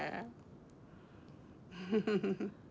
ウフフフ。